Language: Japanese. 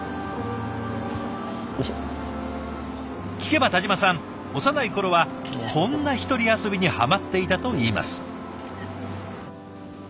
聞けば田嶋さん幼い頃はこんな一人遊びにハマっていたといいます。